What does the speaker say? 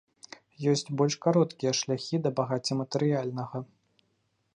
Ёсць больш кароткія шляхі да багацця матэрыяльнага.